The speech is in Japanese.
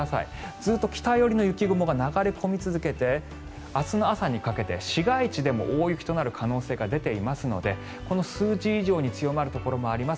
ずっと北寄りの雪雲が流れ込み続けて明日の朝にかけて市街地でも大雪となる可能性が出ていますのでこの数字以上に強まるところもあります。